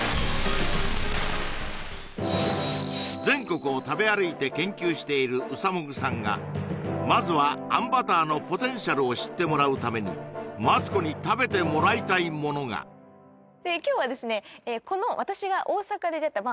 全国を食べ歩いて研究しているうさもぐさんがまずはあんバターのポテンシャルを知ってもらうためにマツコに食べてもらいたいものが今日はですね